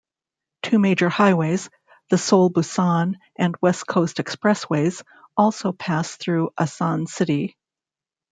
Two major highways, the Seoul-Busan and West Coast expressways, also pass through Asan city.